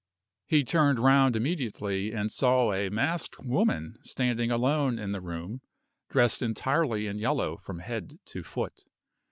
He turned round immediately, and saw a masked woman standing alone in the room, dressed entirely in yellow from head to foot.